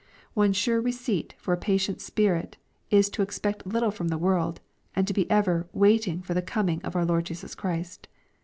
'' One sure receipt for a patient spirit i to expect little from this world, and to be ever " wait ing for the coming of our Lord Jesus Christ."